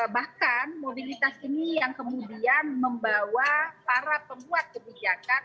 bahkan mobilitas ini yang kemudian membawa para pembuat kebijakan